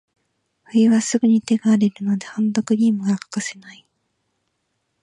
冬はすぐに手が荒れるので、ハンドクリームが欠かせない。